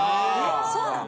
そうなの？